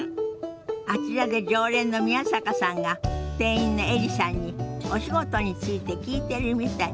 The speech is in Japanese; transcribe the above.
あちらで常連の宮坂さんが店員のエリさんにお仕事について聞いてるみたい。